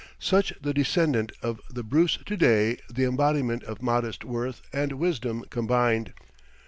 Such the descendant of The Bruce to day, the embodiment of modest worth and wisdom combined.